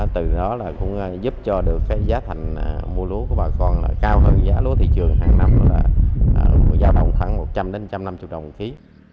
từ đó cũng giúp cho được giá thành mua lúa của bà con cao hơn giá lúa thị trường hàng năm là một trăm linh một trăm năm mươi đồng một ký